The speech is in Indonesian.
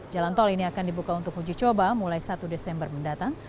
jalan tol ini akan dibuka untuk uji coba mulai satu desember mendatang